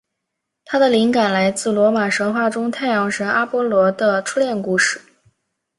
它的灵感来自罗马神话中太阳神阿波罗的初恋故事。